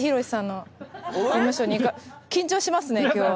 緊張しますね今日は。